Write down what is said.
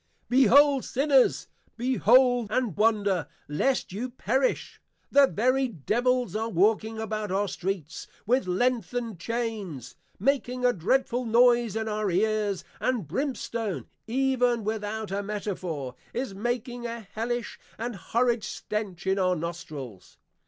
Behold, Sinners, behold and wonder, lest you perish: the very Devils are walking about our Streets, with lengthened Chains, making a dreadful Noise in our Ears, and Brimstone even without a Metaphor, is making an hellish and horrid stench in our Nostrils.